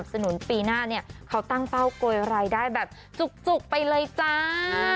วันนี้เขาตั้งเป้าโกยรายได้แบบจุกไปเลยจ้า